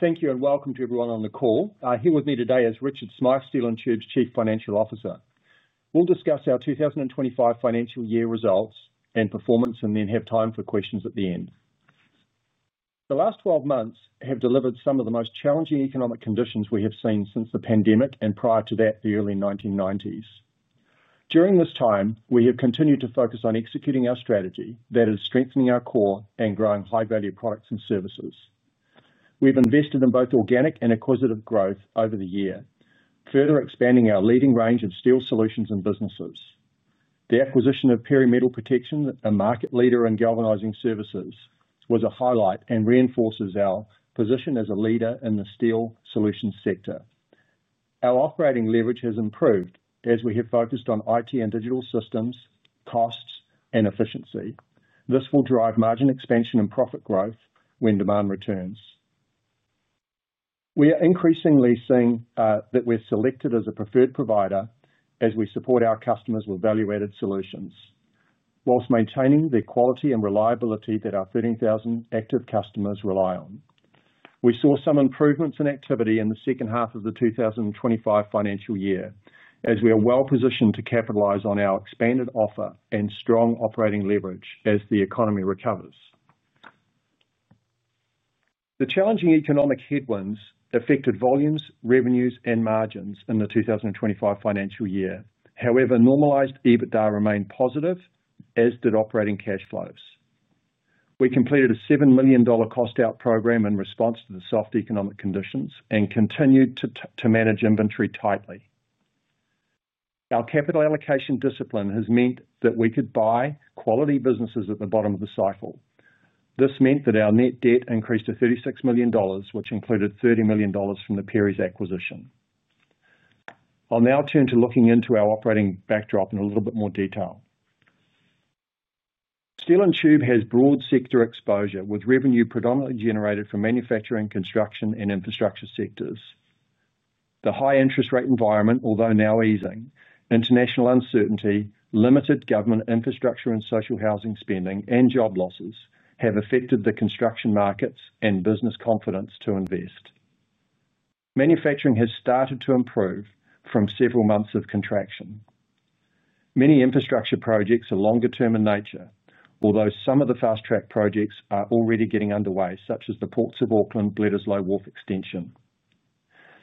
Thank you and welcome to everyone on the call. Here with me today is Richard Smyth, Steel & Tube Chief Financial Officer. We'll discuss our 2025 financial year results and performance and then have time for questions at the end. The last 12 months have delivered some of the most challenging economic conditions we have seen since the pandemic and prior to that, the early 1990s. During this time, we have continued to focus on executing our strategy, that is strengthening our core and growing high-value products and services. We've invested in both organic and acquisitive growth over the year, further expanding our leading range of steel solutions and businesses. The acquisition of Perry Metal Protection, a market leader in galvanizing services, was a highlight and reinforces our position as a leader in the steel solutions sector. Our operating leverage has improved as we have focused on IT and digital systems, costs, and efficiency. This will drive margin expansion and profit growth when demand returns. We are increasingly seeing that we're selected as a preferred provider as we support our customers with value-added solutions, whilst maintaining the quality and reliability that our 13,000 active customers rely on. We saw some improvements in activity in the second half of the 2025 financial year as we are well positioned to capitalize on our expanded offer and strong operating leverage as the economy recovers. The challenging economic headwinds affected volumes, revenues, and margins in the 2025 financial year. However, normalized EBITDA remained positive, as did operating cash flows. We completed a $7 million cost-out program in response to the soft economic conditions and continued to manage inventory tightly. Our capital allocation discipline has meant that we could buy quality businesses at the bottom of the cycle. This meant that our net debt increased to $36 million, which included $30 million from the Perry's acquisition. I'll now turn to looking into our operating backdrop in a little bit more detail. Steel & Tube has broad sector exposure with revenue predominantly generated from manufacturing, construction, and infrastructure sectors. The high interest rate environment, although now easing, international uncertainty, limited government infrastructure and social housing spending, and job losses have affected the construction markets and business confidence to invest. Manufacturing has started to improve from several months of contraction. Many infrastructure projects are longer-term in nature, although some of the fast-track projects are already getting underway, such as the Ports of Auckland, Bledisloe Wharf extension..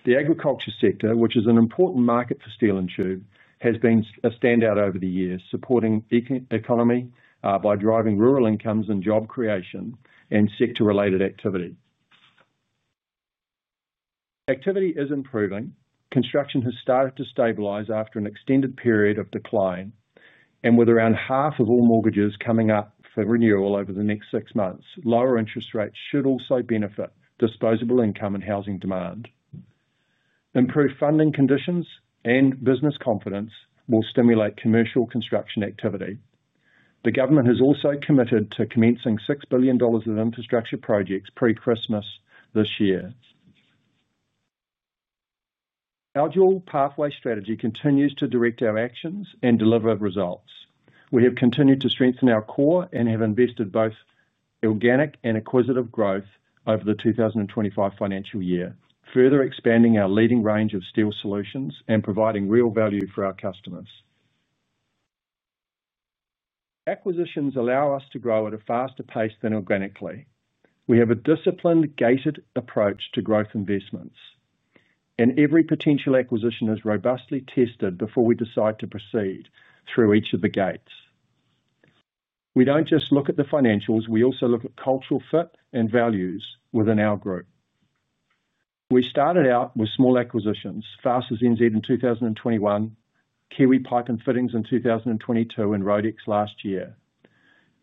The agriculture sector, which is an important market for Steel & Tube, has been a standout over the years, supporting the economy by driving rural incomes and job creation and sector-related activity. Activity is improving. Construction has started to stabilize after an extended period of decline, and with around half of all mortgages coming up for renewal over the next six months, lower interest rates should also benefit disposable income and housing demand. Improved funding conditions and business confidence will stimulate commercial construction activity. The government has also committed to commencing $6 billion of infrastructure projects pre-Christmas this year. Our dual pathway strategy continues to direct our actions and deliver results. We have continued to strengthen our core and have invested in both organic and acquisitive growth over the 2025 financial year, further expanding our leading range of steel solutions and providing real value for our customers. Acquisitions allow us to grow at a faster pace than organically. We have a disciplined, gated approach to growth investments, and every potential acquisition is robustly tested before we decide to proceed through each of the gates. We don't just look at the financials; we also look at cultural fit and values within our group. We started out with small acquisitions, Fast was InZed in 2021, Kiwi Piping & Fittings in 2022, and Rhodix last year,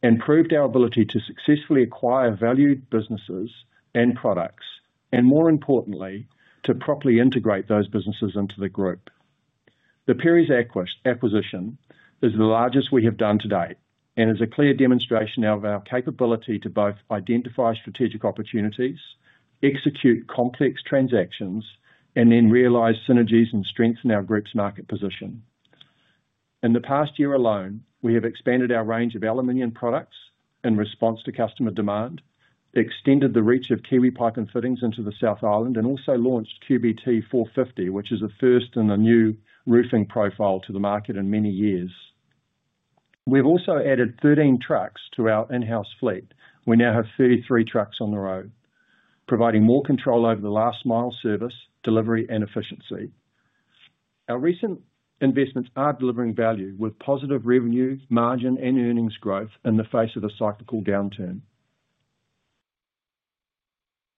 and proved our ability to successfully acquire valued businesses and products, and more importantly, to properly integrate those businesses into the group. The Perry's acquisition is the largest we have done to date and is a clear demonstration of our capability to both identify strategic opportunities, execute complex transactions, and then realize synergies and strengthen our group's market position. In the past year alone, we have expanded our range of aluminum products in response to customer demand, extended the reach of Kiwi Piping & Fittings into the South Island, and also launched QBT 450, which is a first and a new roofing profile to the market in many years. We've also added 13 trucks to our in-house fleet. We now have 33 trucks on the road, providing more control over the last-mile service, delivery, and efficiency. Our recent investments are delivering value with positive revenue, margin, and earnings growth in the face of a cyclical downturn.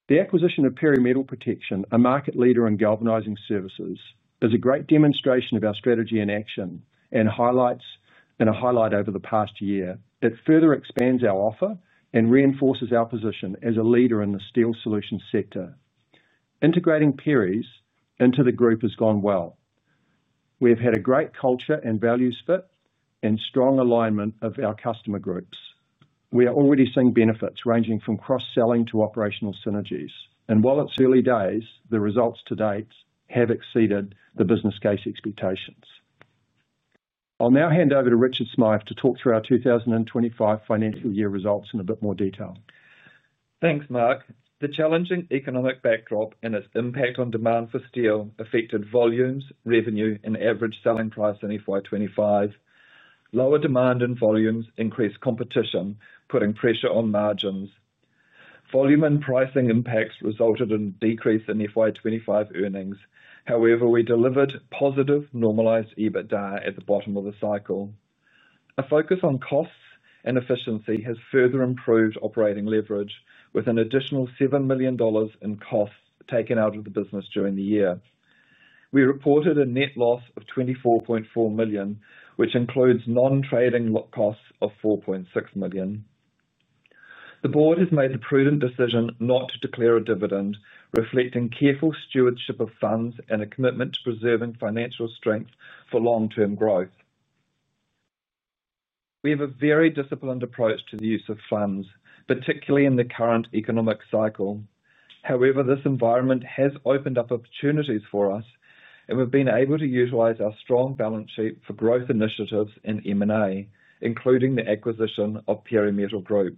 The acquisition of Perry Metal Protection, a market leader in galvanizing services, is a great demonstration of our strategy in action and highlights and a highlight over the past year that further expands our offer and reinforces our position as a leader in the steel solutions sector. Integrating Perrys into the group has gone well. We have had a great culture and values fit and strong alignment of our customer groups. We are already seeing benefits ranging from cross-selling to operational synergies, and while it's early days, the results to date have exceeded the business case expectations. I'll now hand over to Richard Smyth to talk through our 2025 financial year results in a bit more detail. Thanks, Mark. The challenging economic backdrop and its impact on demand for steel affected volumes, revenue, and average selling price in FY 2025. Lower demand and volumes increased competition, putting pressure on margins. Volume and pricing impacts resulted in a decrease in FY 2025 earnings. However, we delivered positive normalized EBITDA at the bottom of the cycle. A focus on costs and efficiency has further improved operating leverage with an additional $7 million in costs taken out of the business during the year. We reported a net loss of $24.4 million, which includes non-trading costs of $4.6 million. The board has made a prudent decision not to declare a dividend, reflecting careful stewardship of funds and a commitment to preserving financial strength for long-term growth. We have a very disciplined approach to the use of funds, particularly in the current economic cycle. However, this environment has opened up opportunities for us, and we've been able to utilize our strong balance sheet for growth initiatives in M&A, including the acquisition of Perry Metal growth.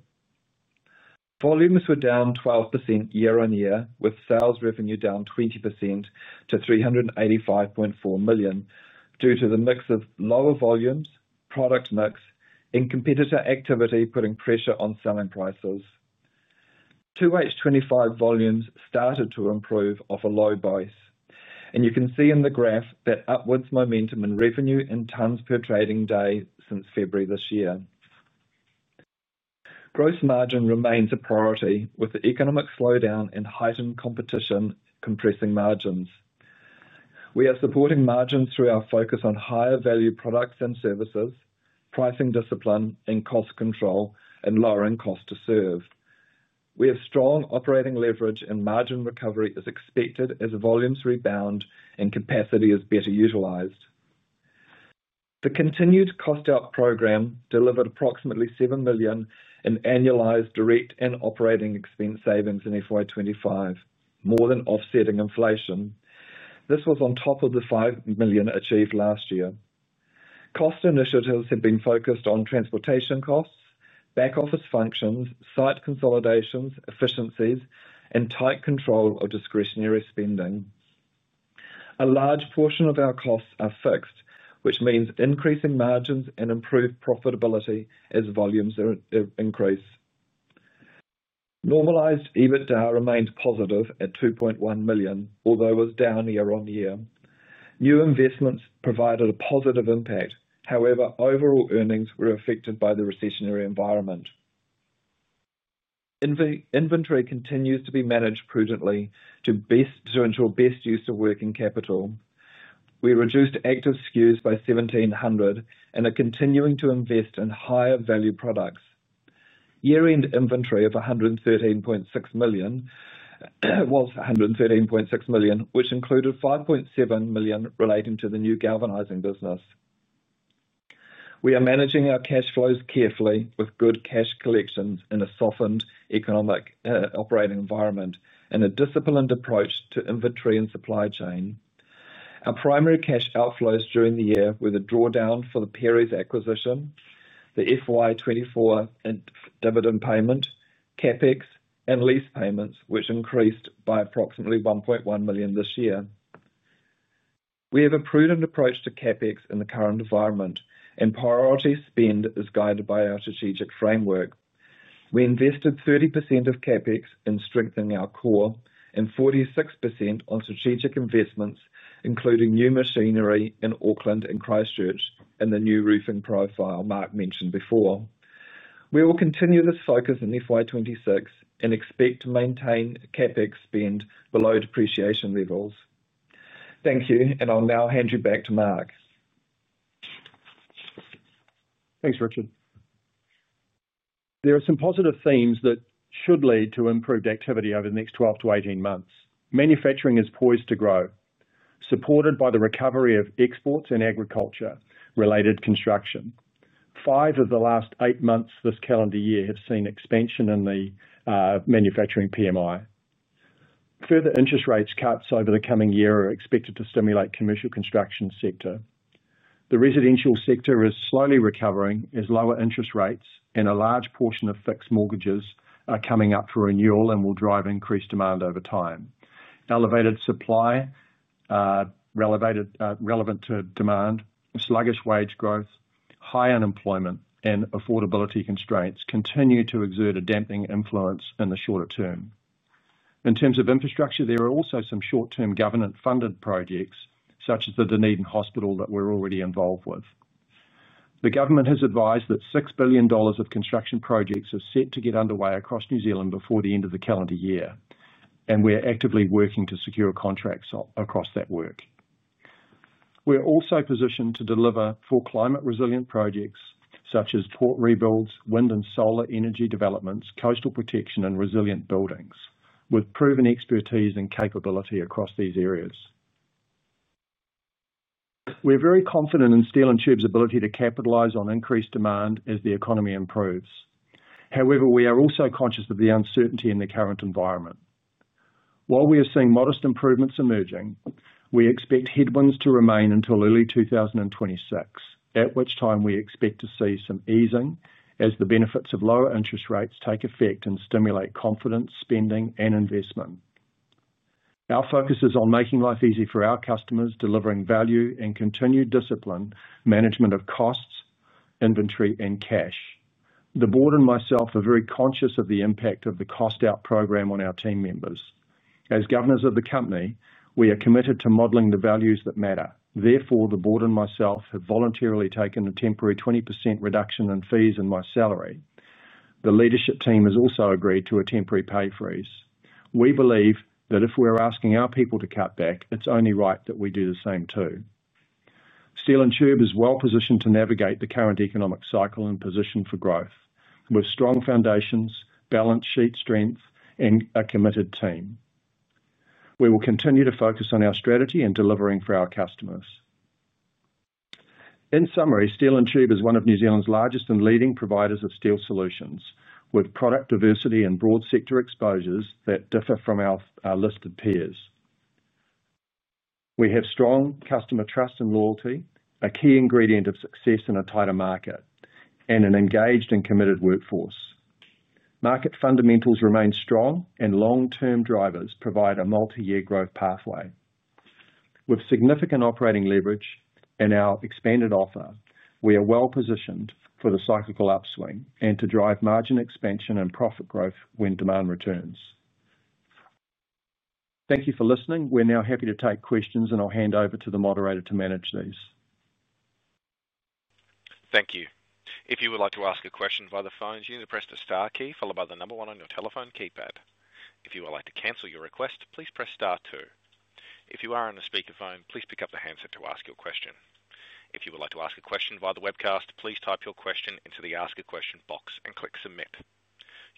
Volumes were down 12% year-on-year, with sales revenue down 20% to $385.4 million due to the mix of lower volumes, product mix, and competitor activity putting pressure on selling prices. 2H 2025 volumes started to improve off a low base, and you can see in the graph that upwards momentum in revenue and tons per trading day since February this year. Gross margin remains a priority with the economic slowdown and heightened competition compressing margins. We are supporting margins through our focus on higher value products and services, pricing discipline, and cost control, and lowering costs to serve. We have strong operating leverage, and margin recovery is expected as volumes rebound and capacity is better utilized. The continued cost-out program delivered approximately $7 million in annualized direct and operating expense savings in FY 2025, more than offsetting inflation. This was on top of the $5 million achieved last year. Cost initiatives have been focused on transportation costs, back office functions, site consolidations, efficiencies, and tight control of discretionary spending. A large portion of our costs are fixed, which means increasing margins and improved profitability as volumes increase. Normalized EBITDA remained positive at $2.1 million, although it was down year-on-year. New investments provided a positive impact. However, overall earnings were affected by the recessionary environment. Inventory continues to be managed prudently to ensure best use of working capital. We reduced active SKUs by 1,700 and are continuing to invest in higher value products. Year-end inventory of $113.6 million, which included $5.7 million relating to the new galvanizing business. We are managing our cash flows carefully with good cash collections in a softened economic operating environment and a disciplined approach to inventory and supply chain. Our primary cash outflows during the year were the drawdown for the Perry's acquisition, the FY 2024 dividend payment, CapEx, and lease payments, which increased by approximately $1.1 million this year. We have a prudent approach to CapEx in the current environment, and priority spend is guided by our strategic framework. We invested 30% of CapEx in strengthening our core and 46% on strategic investments, including new machinery in Auckland and Christchurch and the new roofing profile Mark mentioned before. We will continue this focus in FY 2026 and expect to maintain CapEx spend below depreciation levels. Thank you, and I'll now hand you back to Mark. Thanks, Richard. There are some positive themes that should lead to improved activity over the next 12-18 months. Manufacturing is poised to grow, supported by the recovery of exports and agriculture-related construction. Five of the last eight months this calendar year have seen expansion in the manufacturing PMI. Further interest rate cuts over the coming year are expected to stimulate the commercial construction sector. The residential sector is slowly recovering as lower interest rates and a large portion of fixed mortgages are coming up for renewal and will drive increased demand over time. Elevated supply, relative to demand, sluggish wage growth, high unemployment, and affordability constraints continue to exert a damping influence in the shorter term. In terms of infrastructure, there are also some short-term government-funded projects, such as the Dunedin Hospital that we're already involved with. The government has advised that $6 billion of construction projects are set to get underway across New Zealand before the end of the calendar year, and we're actively working to secure contracts across that work. We're also positioned to deliver for climate-resilient projects such as port rebuilds, wind and solar energy developments, coastal protection, and resilient buildings, with proven expertise and capability across these areas. We're very confident in Steel & Tube's ability to capitalize on increased demand as the economy improves. However, we are also conscious of the uncertainty in the current environment. While we are seeing modest improvements emerging, we expect headwinds to remain until early 2026, at which time we expect to see some easing as the benefits of lower interest rates take effect and stimulate confidence, spending, and investment. Our focus is on making life easy for our customers, delivering value, and continued disciplined management of costs, inventory, and cash. The Board and myself are very conscious of the impact of the cost-out program on our team members. As governors of the company, we are committed to modeling the values that matter. Therefore, the Board and myself have voluntarily taken a temporary 20% reduction in fees and my salary. The leadership team has also agreed to a temporary pay freeze. We believe that if we're asking our people to cut back, it's only right that we do the same too. Steel & Tube is well-positioned to navigate the current economic cycle and position for growth, with strong foundations, balance sheet strength, and a committed team. We will continue to focus on our strategy and delivering for our customers. In summary, Steel & Tube is one of New Zealand's largest and leading providers of steel solutions, with product diversity and broad sector exposures that differ from our listed peers. We have strong customer trust and loyalty, a key ingredient of success in a tighter market, and an engaged and committed workforce. Market fundamentals remain strong, and long-term drivers provide a multi-year growth pathway. With significant operating leverage and our expanded offer, we are well-positioned for the cyclical upswing and to drive margin expansion and profit growth when demand returns. Thank you for listening. We're now happy to take questions, and I'll hand over to the moderator to manage these. Thank you. If you would like to ask a question via the phone, you need to press the Star key followed by the number one on your telephone keypad. If you would like to cancel your request, please press Star two. If you are on a speaker phone, please pick up the handset to ask your question. If you would like to ask a question via the webcast, please type your question into the ask a question box and click submit.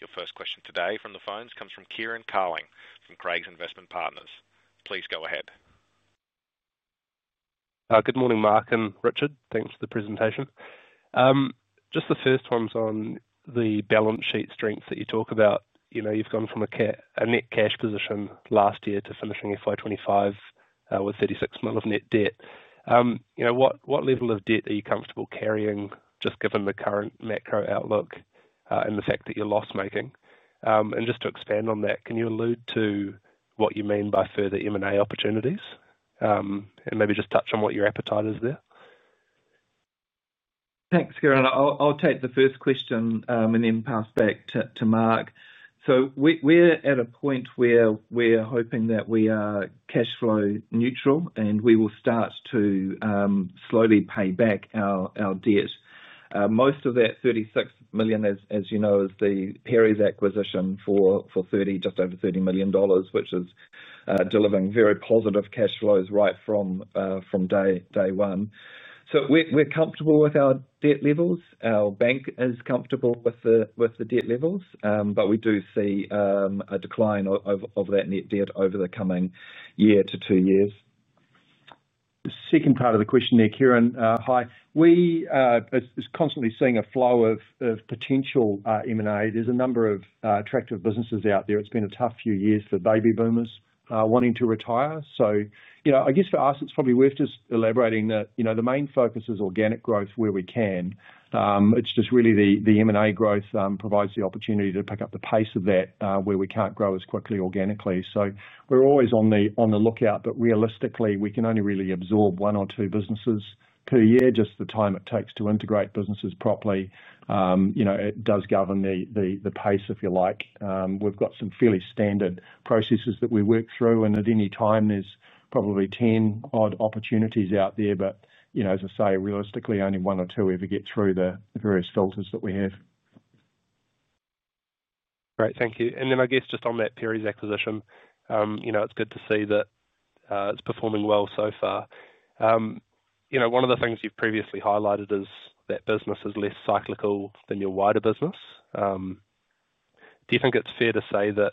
Your first question today from the phones comes from Kieran Carling from Craigs Investment Partners. Please go ahead. Good morning, Mark and Richard. Thanks for the presentation. The first one's on the balance sheet strengths that you talk about. You know you've gone from a net cash position last year to finishing FY 2025 with $36 million of net debt. What level of debt are you comfortable carrying, just given the current macro outlook and the fact that you're loss-making? Could you allude to what you mean by further M&A opportunities and maybe just touch on what your appetite is there? Thanks, Kieran. I'll take the first question and then pass back to Mark. We're at a point where we're hoping that we are cash flow neutral and we will start to slowly pay back our debt. Most of that $36 million, as you know, is the Perry's acquisition for just over $30 million, which is delivering very positive cash flows right from day one. We're comfortable with our debt levels. Our bank is comfortable with the debt levels, and we do see a decline of that net debt over the coming year to two years. The second part of the question there, Kieran, hi. We are constantly seeing a flow of potential M&A. There's a number of attractive businesses out there. It's been a tough few years for baby boomers wanting to retire. For us, it's probably worth just elaborating that the main focus is organic growth where we can. It's just really the M&A growth provides the opportunity to pick up the pace of that where we can't grow as quickly organically. We're always on the lookout, but realistically, we can only really absorb one or two businesses per year, just the time it takes to integrate businesses properly. It does govern the pace, if you like. We've got some fairly standard processes that we work through, and at any time, there's probably 10 odd opportunities out there. As I say, realistically, only one or two ever get through the various filters that we have. Great, thank you. I guess just on that Perry's acquisition, it's good to see that it's performing well so far. One of the things you've previously highlighted is that business is less cyclical than your wider business. Do you think it's fair to say that,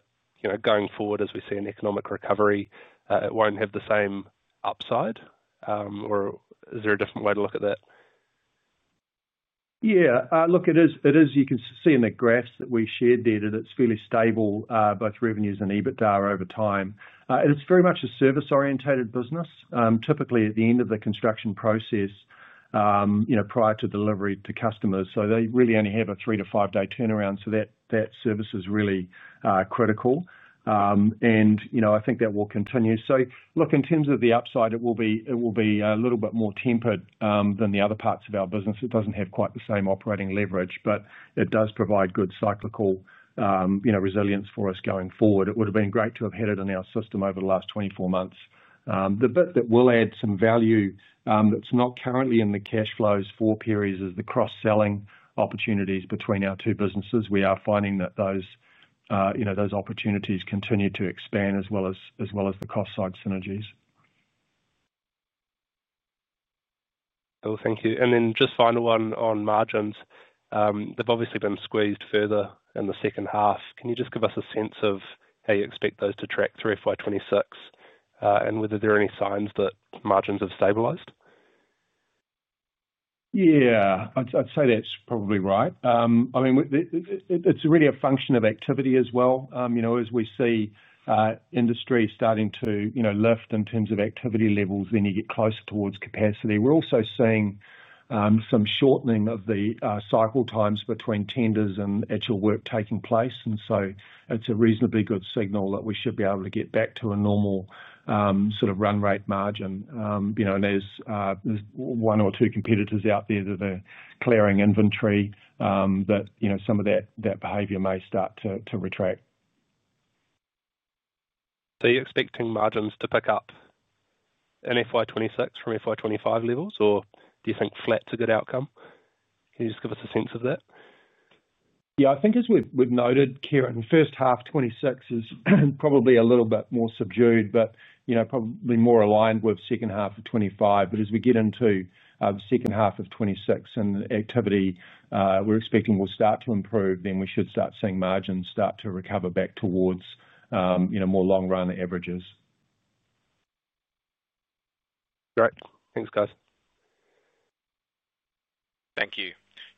going forward, as we see an economic recovery, it won't have the same upside? Or is there a different way to look at that? Yeah, look, it is, you can see in the graphs that we shared there that it's fairly stable, both revenues and EBITDA over time. It's very much a service-oriented business. Typically, at the end of the construction process, prior to delivery to customers, they really only have a three to five-day turnaround. That service is really critical. I think that will continue. In terms of the upside, it will be a little bit more tempered than the other parts of our business. It doesn't have quite the same operating leverage, but it does provide good cyclical resilience for us going forward. It would have been great to have had it in our system over the last 24 months. The bit that will add some value that's not currently in the cash flows for Perry is the cross-selling opportunities between our two businesses. We are finding that those opportunities continue to expand, as well as the cost-side synergies. Thank you. Just final one on margins. They've obviously been squeezed further in the second half. Can you just give us a sense of how you expect those to track through FY 2026 and whether there are any signs that margins have stabilized? Yeah, I'd say that's probably right. I mean, it's really a function of activity as well. As we see industry starting to lift in terms of activity levels, you get closer towards capacity. We're also seeing some shortening of the cycle times between tenders and actual work taking place. It's a reasonably good signal that we should be able to get back to a normal sort of run rate margin. There are one or two competitors out there that are clearing inventory, but some of that behavior may start to retract. Are you expecting margins to pick up in FY 2026 from FY 2025 levels, or do you think flat is a good outcome? Can you just give us a sense of that? Yeah, I think as we've noted, Kieran, first half of 2026 is probably a little bit more subdued, but, you know, probably more aligned with the second half of 2025. As we get into the second half of 2026 and the activity we're expecting will start to improve, we should start seeing margins start to recover back towards, you know, more long-run averages. Great, thanks guys. Thank you.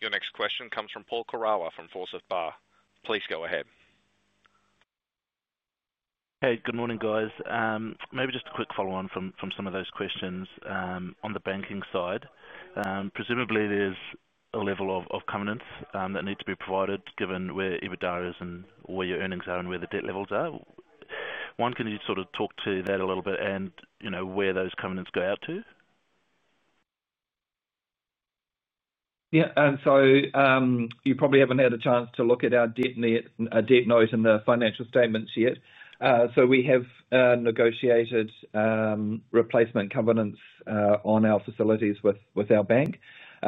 Your next question comes from Paul Koraua from Forsyth Barr. Please go ahead. Hey, good morning guys. Maybe just a quick follow-on from some of those questions on the banking side. Presumably, there's a level of covenants that need to be provided given where EBITDA is and where your earnings are and where the debt levels are. One can you sort of talk to that a little bit and, you know, where those covenants go out to? You probably haven't had a chance to look at our debt note and the financial statements yet. We have negotiated replacement covenants on our facilities with our bank.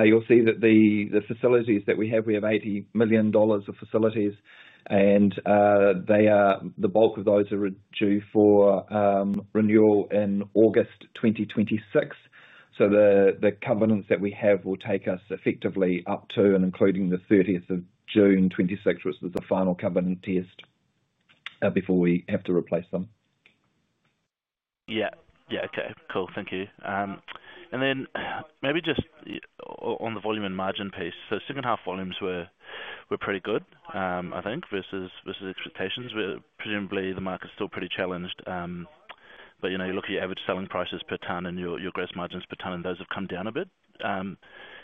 You'll see that the facilities that we have, we have $80 million of facilities, and the bulk of those are due for renewal in August 2026. The covenants that we have will take us effectively up to and including June 30, 2026, which was the final covenant test before we have to replace them. Okay, cool, thank you. Maybe just on the volume and margin piece, second half volumes were pretty good, I think, versus expectations. Presumably, the market's still pretty challenged, but you know, you look at your average selling prices per ton and your gross margins per ton, and those have come down a bit.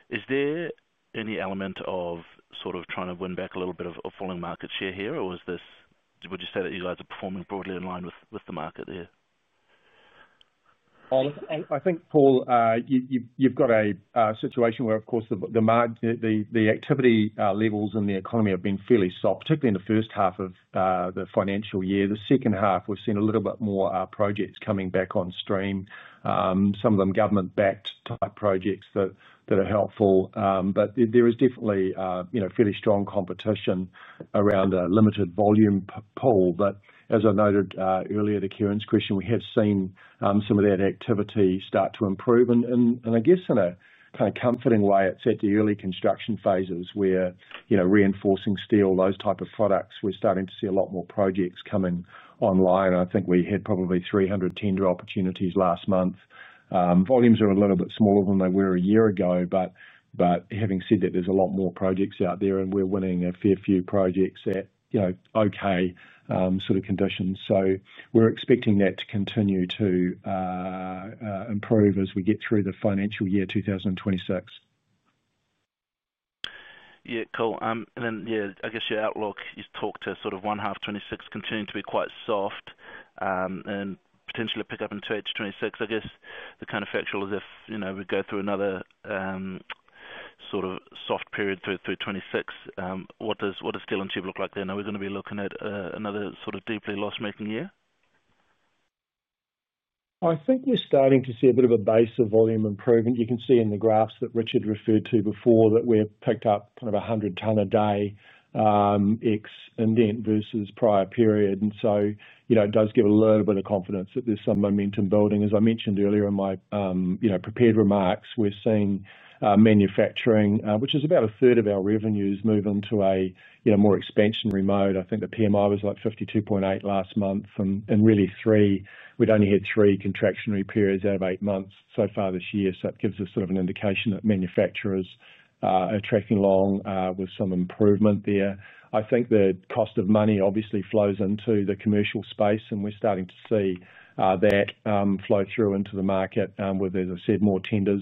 Is there any element of sort of trying to win back a little bit of falling market share here, or would you say that you guys are performing broadly in line with the market here? I think, Paul, you've got a situation where, of course, the activity levels in the economy have been fairly soft, particularly in the first half of the financial year. The second half, we've seen a little bit more projects coming back on stream, some of them government-backed type projects that are helpful. There is definitely, you know, fairly strong competition around a limited volume pool. As I noted earlier to Kieran's question, we have seen some of that activity start to improve. I guess in a kind of comforting way, it's at the early construction phases where, you know, reinforcing steel, those types of products, we're starting to see a lot more projects coming online. I think we had probably 300 tender opportunities last month. Volumes are a little bit smaller than they were a year ago, but having said that, there's a lot more projects out there, and we're winning a fair few projects at, you know, okay sort of conditions. We're expecting that to continue to improve as we get through the financial year 2026. Yeah, cool. I guess your outlook, you've talked to sort of one half of 2026 continuing to be quite soft and potentially pick up into H2 2026. I guess the counterfactual is if, you know, we go through another sort of soft period through 2026, what does Steel & Tube Holdings Ltd look like then? Are we going to be looking at another sort of deeply loss-making year? I think we're starting to see a bit of a base of volume improvement. You can see in the graphs that Richard referred to before that we've picked up kind of 100 ton a day ex-endent versus prior period. It does give a little bit of confidence that there's some momentum building. As I mentioned earlier in my prepared remarks, we're seeing manufacturing, which is about a third of our revenues, move into a more expansionary mode. I think the PMI was like 52.8 last month. Really, we'd only had three contractionary periods out of eight months so far this year. That gives us sort of an indication that manufacturers are tracking along with some improvement there. I think the cost of money obviously flows into the commercial space, and we're starting to see that flow through into the market with, as I said, more tenders.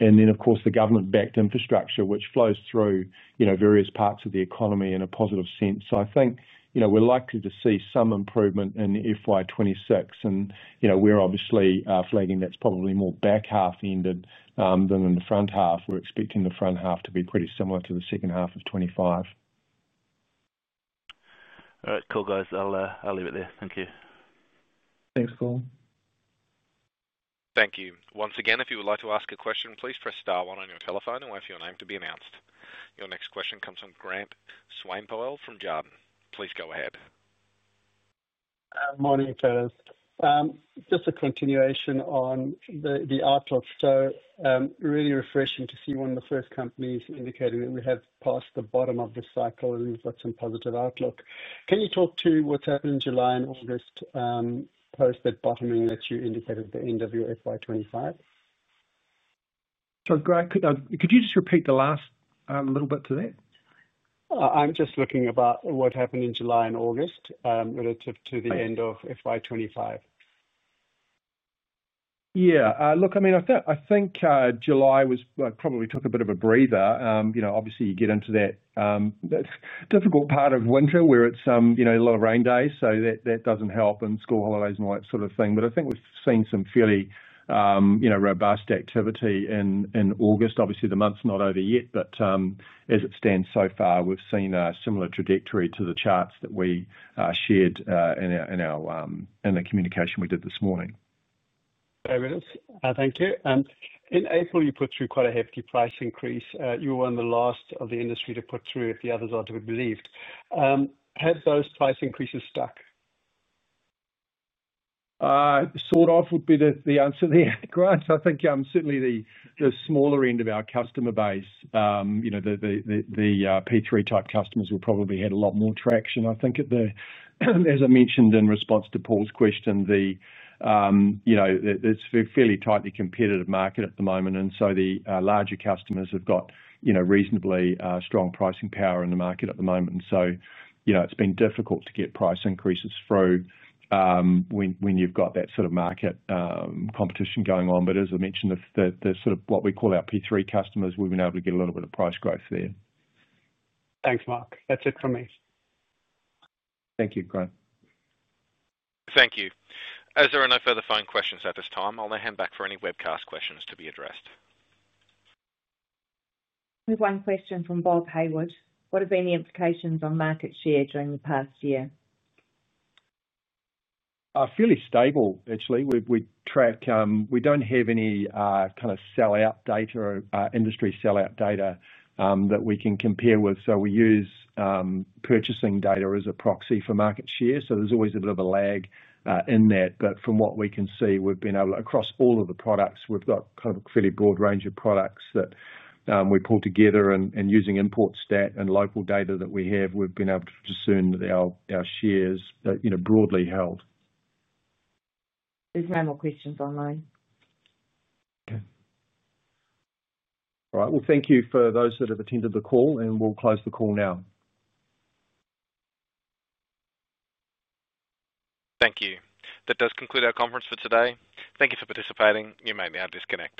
Of course, the government-backed infrastructure, which flows through various parts of the economy in a positive sense. I think we're likely to see some improvement in FY 2026. We're obviously flagging that's probably more back half-ended than in the front half. We're expecting the front half to be pretty similar to the second half of 2025. All right, cool guys. I'll leave it there. Thank you. Thanks, Paul. Thank you. Once again, if you would like to ask a question, please press star one on your telephone and wait for your name to be announced. Your next question comes from Grant Swanepoel from Jarden. Please go ahead. Morning, Thaddeus. Just a continuation on the outlook. It's really refreshing to see one of the first companies indicating that we have passed the bottom of the cycle and we've got some positive outlook. Can you talk to what's happened in July and August post that bottoming that you indicated at the end of your FY 2025? Grant, could you just repeat the last little bit to that? I'm just looking about what happened in July and August relative to the end of FY 2025. Yeah, look, I mean, I think July probably took a bit of a breather. You know, obviously, you get into that difficult part of winter where it's a lot of rain days, so that doesn't help, and school holidays and all that sort of thing. I think we've seen some fairly robust activity in August. Obviously, the month's not over yet, but as it stands so far, we've seen a similar trajectory to the charts that we shared in the communication we did this morning. Fabulous. Thank you. In April, you put through quite a hefty price increase. You were one of the last of the industry to put through it, the others I would have believed. Have those price increases stuck? That would be the answer there, Grant. I think certainly the smaller end of our customer base, you know, the P3 type customers will probably have a lot more traction. I think, as I mentioned in response to Paul's question, it's a fairly tightly competitive market at the moment. The larger customers have got, you know, reasonably strong pricing power in the market at the moment, so it's been difficult to get price increases through when you've got that sort of market competition going on. As I mentioned, the sort of what we call our P3 customers, we've been able to get a little bit of price growth there. Thanks, Mark. That's it from me. Thank you, Grant. Thank you. As there are no further phone questions at this time, I'll now hand back for any webcast questions to be addressed. We have one question from Bob Haywood. What have been the implications on market share during the past year? Fairly stable, actually. We track, we don't have any kind of sell-out data or industry sell-out data that we can compare with. We use purchasing data as a proxy for market share. There's always a bit of a lag in that. From what we can see, we've been able to, across all of the products, we've got kind of a fairly broad range of products that we pull together. Using imports and local data that we have, we've been able to discern that our shares are broadly held. There's no more questions online. All right, thank you for those that have attended the call, and we'll close the call now. Thank you. That does conclude our conference for today. Thank you for participating. You may now disconnect.